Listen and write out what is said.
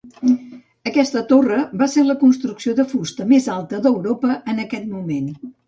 Aquesta torre va ser la construcció de fusta més alta d'Europa en aquest moment.